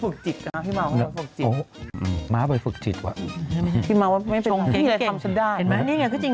เขาไปฝึกจิตนะพี่มาวเขาไปฝึกจิต